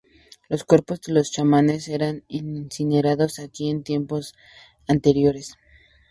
Los cuerpos de los chamanes eran incinerados aquí en tiempos anteriores.